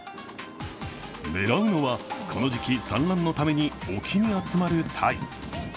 狙うのは、この時期産卵のために沖に集まるタイ。